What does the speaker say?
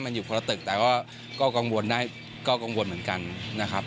มันอยู่คนละตึกแต่ก็กังวลได้ก็กังวลเหมือนกันนะครับ